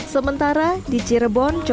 selanjutnya di cirebon